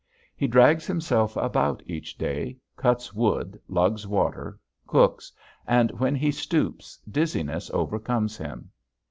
He drags himself about each day, cuts wood, lugs water, cooks, and when he stoops dizziness overcomes him.